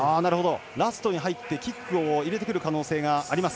ラストに入ってキックを入れてくる可能性があります。